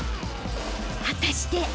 ［果たして？］